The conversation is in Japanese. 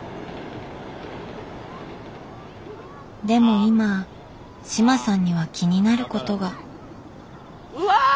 でも今志麻さんには気になることが。うわ！